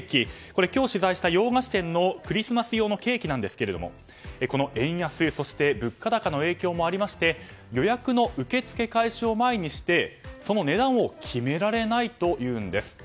これは今日取材した洋菓子店のクリスマス用のケーキなんですがこの円安そして物価高の影響もありまして予約の受け付け開始を前にしてその値段を決められないというんです。